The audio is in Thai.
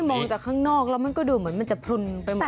มองจากข้างนอกแล้วมันก็ดูเหมือนมันจะพลุนไปหมด